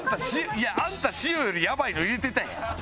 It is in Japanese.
いやあんた塩よりやばいの入れてたやん。